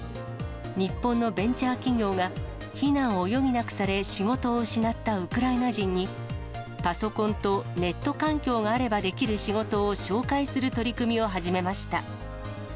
日本のベンチャー企業が、避難を余儀なくされ、仕事を失ったウクライナ人に、パソコンとネット環境があればできる仕事を紹介する取り組みを始めました。